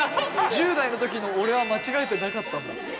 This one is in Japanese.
１０代の時の俺は間違えてなかったんだって。